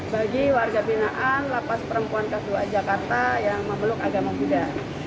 bagi warga binaan lapas perempuan kelas dua a jakarta yang memeluk agama buddha